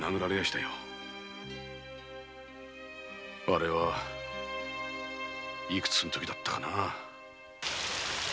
あれはいくつの時だったかなぁ。